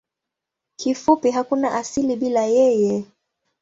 Kifupi hakuna asili bila yeye.